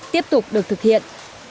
hồ bơi được thực hiện